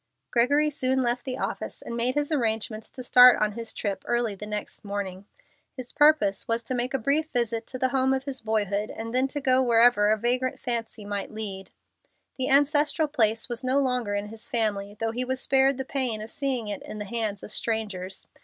Gregory soon left the office, and made his arrangements to start on his trip early the next morning. His purpose was to make a brief visit to the home of his boyhood and then to go wherever a vagrant fancy might lead. The ancestral place was no longer in his family, though he was spared the pain of seeing it in the hands of strangers.